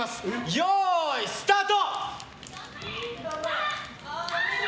よーい、スタート！